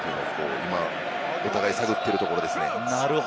今、お互い探ってるところですね。